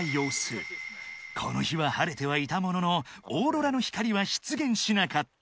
［この日は晴れてはいたもののオーロラの光は出現しなかった］